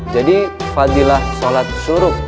jadi fadilah sholat suruk